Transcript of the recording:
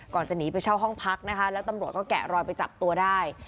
จะหนีไปเช่าห้องพักนะคะแล้วตำรวจก็แกะรอยไปจับตัวได้